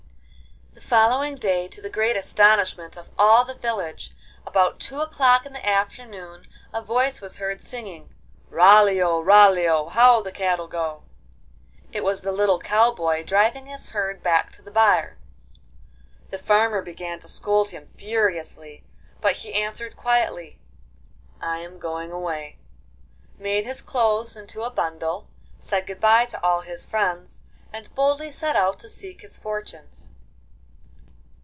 The following day, to the great astonishment of all the village, about two o'clock in the afternoon a voice was heard singing: 'Raleô, raleô, How the cattle go!' It was the little cow boy driving his herd back to the byre. The farmer began to scold him furiously, but he answered quietly, 'I am going away,' made his clothes into a bundle, said good bye to all his friends, and boldly set out to seek his fortunes.